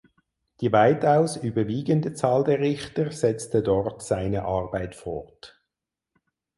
Die weitaus überwiegende Zahl der Richter setzte dort seine Arbeit fort.